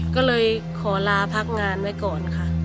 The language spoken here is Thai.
ก็เลยขอลาพักงานไว้ก่อนค่ะ